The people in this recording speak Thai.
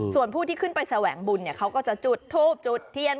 ส่วนผู้ที่ขึ้นไปแสวงบุญเขาก็จะจุดทูบจุดเทียน